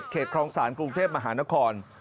ครองศาลกรุงเทพมหานคร